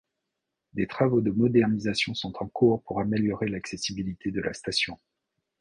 Des travaux de modernisation sont en cours pour améliorer l'accessibilité de la station.